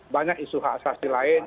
banyak isu hak asasi lain